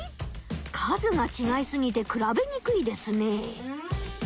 数がちがいすぎて比べにくいですね。